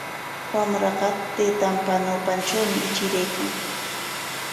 Wamraqa taytanpa ñawpantrawmi ichiraykan.